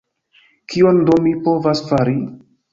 Kion do mi povas fari?